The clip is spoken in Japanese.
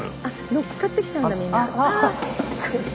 乗っかってきちゃうんだみんな。